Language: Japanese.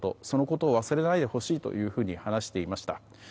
そのことを忘れないでほしいというふうに話していました。